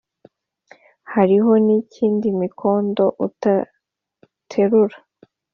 hariho n’ik’imikondo utaterura,